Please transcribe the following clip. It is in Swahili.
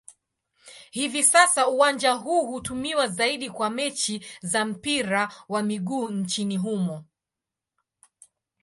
Hivi sasa uwanja huu hutumiwa zaidi kwa mechi za mpira wa miguu nchini humo.